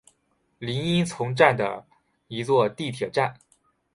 凉荫丛站的一座地铁站。